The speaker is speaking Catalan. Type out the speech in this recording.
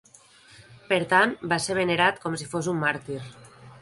Per tant, va ser venerat com si fos un màrtir.